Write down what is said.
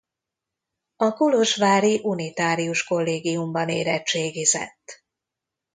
A kolozsvári Unitárius Kollégiumban érettségizett.